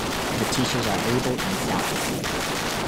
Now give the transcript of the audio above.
The teachers are able and zealous.